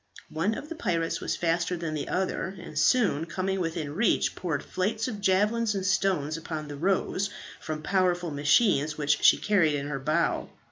One of the pirates was faster than the other, and soon coming within reach, poured flights of javelins and stones upon the "Rose" from powerful machines, which she carried in her bow.